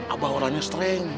abah orangnya sering